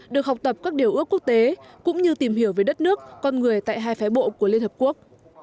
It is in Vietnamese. được học tập các điều ước quốc tế cũng như tìm hiểu về đất nước con người tại hai phái bộ của liên hợp quốc